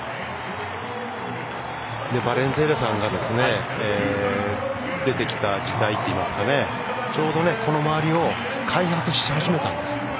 バレンズエラさんが出てきた時代といいますかちょうど、この周りを開発し始めたんです。